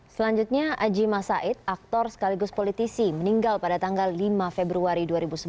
selanjutnya ajima said aktor sekaligus politisi meninggal pada tanggal lima februari dua ribu sebelas